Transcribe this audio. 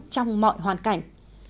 trong mọi hoạt động